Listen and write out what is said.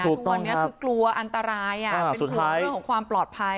ทุกวันนี้คือกลัวอันตรายเป็นห่วงเรื่องของความปลอดภัย